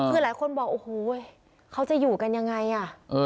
คือหลายคนบอกโอ้โหเขาจะอยู่กันยังไงอ่ะ